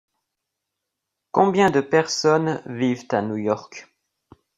Combien de personnes vivent à New York ?